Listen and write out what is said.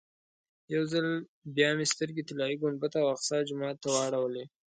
یو ځل بیا مې سترګې طلایي ګنبدې او اقصی جومات ته واړولې.